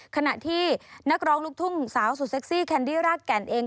ขณะที่นักร้องลูกทุ่งสาวสุดเซ็กซี่แคนดี้รากแก่นเอง